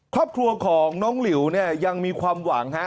ครอบครัวของน้องหลิวเนี่ยยังมีความหวังฮะ